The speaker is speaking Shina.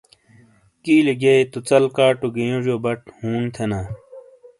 کیلیئے گیئے تو ژل کاٹو گی یونجیو بٹ ہُون تھینا۔